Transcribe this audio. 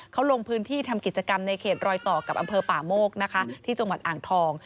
เขาลงพื้นที่ทำกิจกรรมในเขตรอยต่อกับอำเภอป่าโมกนะคะที่จังหวัดอ่างทอง